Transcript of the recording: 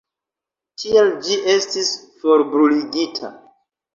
Tial ĝi estis forbruligita.